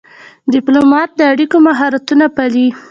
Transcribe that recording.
ډيپلومات د اړیکو مهارتونه پالي.